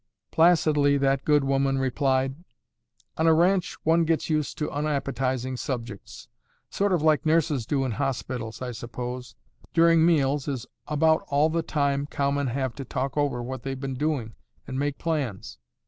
Placidly that good woman replied, "On a ranch one gets used to unappetizing subjects—sort of like nurses do in hospitals, I suppose. During meals is about all the time cowmen have to talk over what they've been doing and make plans."